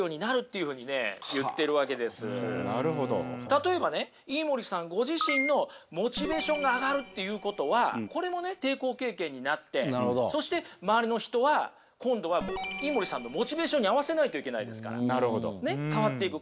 例えばね飯森さんご自身のモチベーションが上がるっていうことはこれもね抵抗経験になってそして周りの人は今度は飯森さんのモチベーションに合わせないといけないですから変わっていく。